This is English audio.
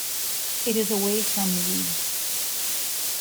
It is away from Leeds.